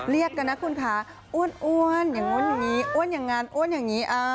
เรียกกันนะคุณคะอ้วนอย่างงานอ้วนอย่างงี้